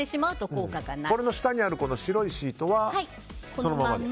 これの下にある白いシートはそのままで。